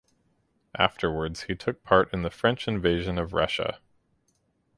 Afterwards he took part in the French invasion of Russia.